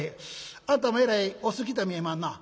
あんたもえらいお好きと見えまんな」。